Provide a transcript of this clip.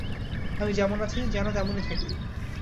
আমি যেমন আছি, যেন তেমনই থাকি।